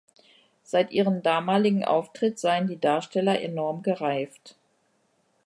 Seit ihrem damaligen Auftritt seien die Darsteller "„enorm gereift“".